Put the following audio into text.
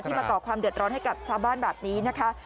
มาก่อความเดือดร้อนให้กับชาวบ้านแบบนี้นะคะ